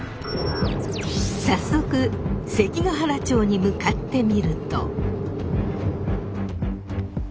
早速関ケ原町に向かってみると。